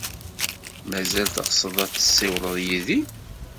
Mazal teɣsed ad tessiwled yid-i?